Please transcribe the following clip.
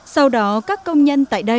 sau đó các công nhân tại đây